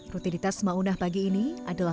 rutinitas maunah pagi ini adalah